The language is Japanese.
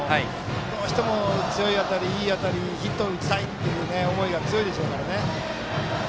どうしても強い当たりいい当たりヒット打ちたいっていう思いが強いでしょうからね。